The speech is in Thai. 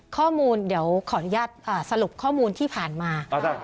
ข้อมูลเดี๋ยวขออนุญาตสรุปข้อมูลที่ผ่านมา